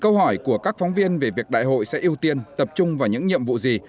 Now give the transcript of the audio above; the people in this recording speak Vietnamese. câu hỏi của các phóng viên về việc đại hội sẽ ưu tiên tập trung vào những nhiệm vụ gì